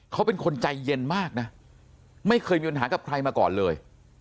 เขาเป็นคนใจเย็นมากนะไม่เคยมีปัญหากับใครมาก่อนเลย